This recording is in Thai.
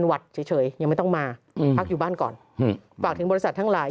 วัดเฉยยังไม่ต้องมาพักอยู่บ้านก่อนฝากถึงบริษัททั้งหลาย